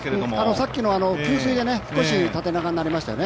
さっきの給水で少し縦長になりましたよね。